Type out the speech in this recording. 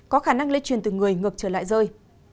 có khả năng lây truyền từ người ngược trở lại rơi